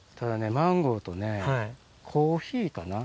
マンゴーとコーヒーかな